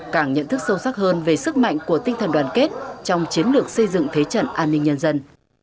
càng nhận thức sâu sắc hơn về sức mạnh của tinh thần đoàn kết trong chiến lược xây dựng thế trận an ninh nhân dân